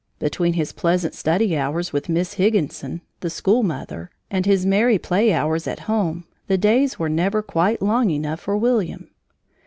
Between his pleasant study hours with Miss Higginson, this school mother, and his merry play hours at home, the days were never quite long enough for William.